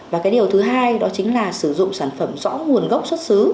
và cái điều thứ hai đó chính là sử dụng sản phẩm rõ nguồn gốc xuất xứ